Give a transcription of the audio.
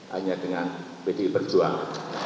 hanya dengan pilih perjuang